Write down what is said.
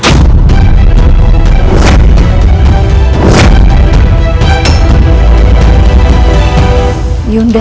aku akan menolong ibu ndak